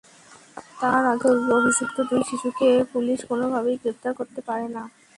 তার আগে অভিযুক্ত দুই শিশুকে পুলিশ কোনোভাবেই গ্রেপ্তার করতে পারে না।